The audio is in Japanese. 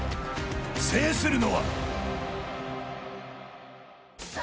制するのは。